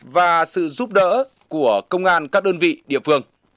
và sự giúp đỡ của công an các đơn vị địa phương